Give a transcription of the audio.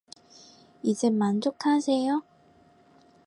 이제 만족하세요?